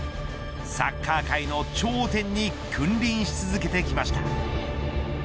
サッカー界の頂点に君臨し続けてきました。